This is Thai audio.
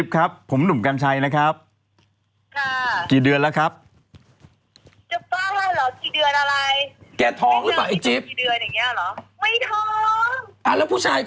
พวกมันนั้นพวงชายคนที่เป็นดารา